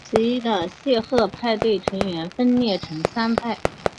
其余的谢赫派成员则分裂成三派。